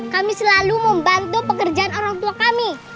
kami selalu membantu pekerjaan orang tua kami